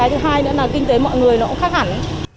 thứ hai nữa là kinh tế mọi người nó cũng khác hẳn